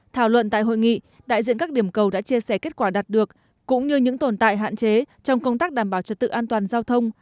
thảo luận tại hội nghị đại diện các điểm cầu đã chia sẻ kết quả đạt được cũng như những tồn tại hạn chế trong công tác đảm bảo trật tự an toàn giao thông